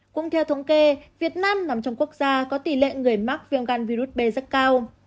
cũng theo thống kê việt nam nằm trong quốc gia có tỷ lệ người mắc viêm gan virus b rất cao